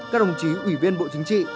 các đồng chí ủy viên bộ chính trị